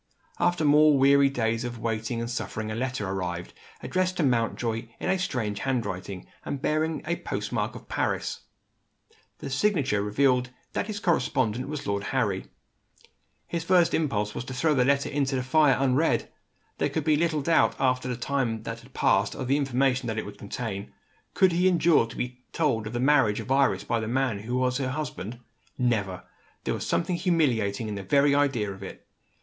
After more weary days of waiting and suffering a letter arrived, addressed to Mountjoy in a strange handwriting, and bearing the post mark of Paris. The signature revealed that his correspondent was Lord Harry. His first impulse was to throw the letter into the fire, unread. There could be little doubt, after the time that had passed, of the information that it would contain. Could he endure to be told of the marriage of Iris, by the man who was her husband? Never! There was something humiliating in the very idea of it.